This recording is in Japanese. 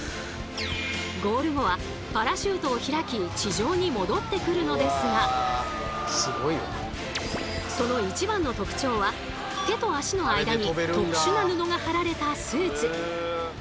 ゴール後はパラシュートを開き地上に戻ってくるのですがその一番の特徴は手と足の間に特殊な布が張られたスーツ。